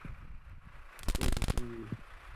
_څو کسان دي؟